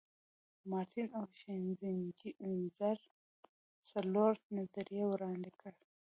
مارټین او شینزینجر څلور نظریې وړاندې کړي.